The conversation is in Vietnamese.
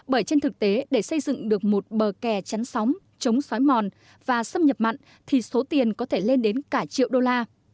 bởi trên thực tế để xây dựng được một bờ kè chắn sóng chống xói mòn và xâm nhập mặn thì số tiền có thể lên đến cả triệu đô la